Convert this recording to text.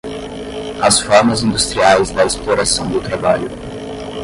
às formas industriais da exploração do trabalho